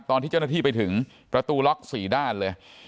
ตอนที่เจ้าหน้าที่ไปถึงประตูล็อก๔ด้านเลย